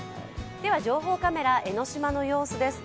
情報カメラ、江の島の様子です。